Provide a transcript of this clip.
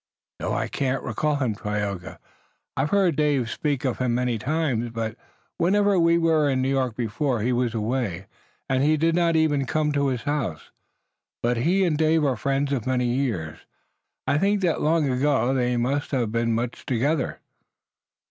"No, I can't recall him, Tayoga. I've heard Dave speak of him many times, but whenever we were in New York before he was away, and we did not even come to his house. But he and Dave are friends of many years. I think that long ago they must have been much together."